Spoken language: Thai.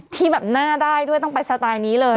ที่แบบหน้าได้ด้วยต้องไปสไตล์นี้เลย